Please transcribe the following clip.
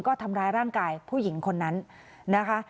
ก็ทำร้ายร่างกายผู้หญิงคนนั้นนะคะ